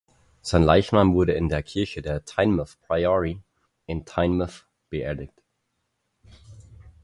Sein Leichnam wurde in der Kirche der "Tynemouth Priory" in Tynemouth beerdigt.